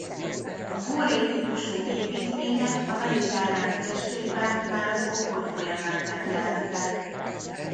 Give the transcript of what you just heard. A góré-típusú építmények a mediterrán térségben már az ókor folyamán megjelentek.